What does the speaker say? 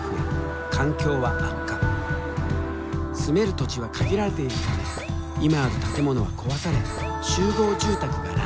住める土地は限られているため今ある建物は壊され集合住宅が乱立。